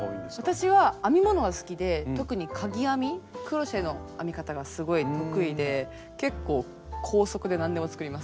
私は編み物が好きで特にかぎ編みクロッシェの編み方がすごい得意で結構高速で何でも作ります。